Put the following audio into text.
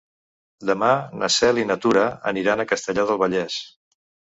Demà na Cel i na Tura aniran a Castellar del Vallès.